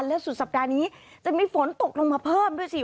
และสุดสัปดาห์นี้จะมีฝนตกลงมาเพิ่มด้วยสิ